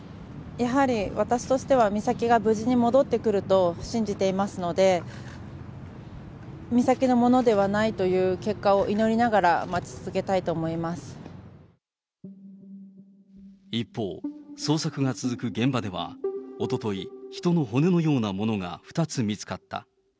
やはり私としては、美咲が無事に戻ってくると信じていますので、美咲のものではないという結果を祈りながら、待ち続けたいと思い一方、捜索が続く現場ではおととい、人の骨のようなものが２つ見つかった。